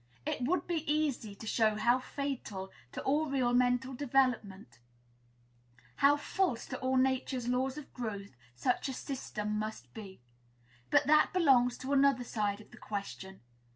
It would be easy to show how fatal to all real mental development, how false to all Nature's laws of growth, such a system must be; but that belongs to another side of the question.